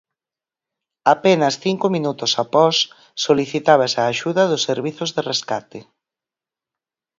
Apenas cinco minutos após, solicitábase a axuda dos servizos de rescate.